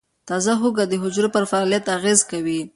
تازه هوږه د حجرو پر فعالیت اغېز کوي.